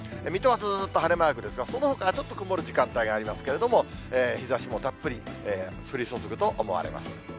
水戸はずーっと晴れマークですが、そのほかはちょっと曇る時間帯がありますけれども、日ざしもたっぷり降り注ぐと思われます。